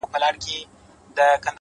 ستونزې پټ قوتونه راویښوي.!